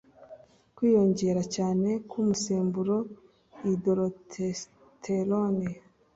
Kwiyongera cyane k'umusemburo dihydrotestosterone